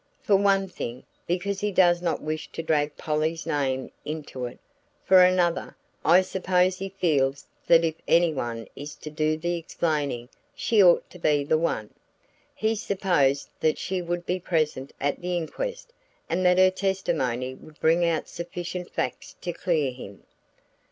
"For one thing, because he does not wish to drag Polly's name into it, for another, I suppose he feels that if anyone is to do the explaining, she ought to be the one. He supposed that she would be present at the inquest and that her testimony would bring out sufficient facts to clear him.